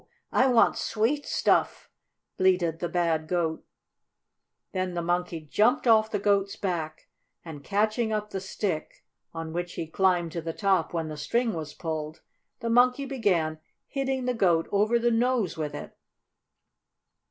I want sweet stuff!" bleated the bad Goat. Then the Monkey jumped off the Goat's back, and, catching up the stick, on which he climbed to the top when the string was pulled, the Monkey began hitting the Goat over the nose with it.